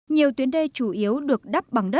nhiều tuyến đê chủ yếu được đắp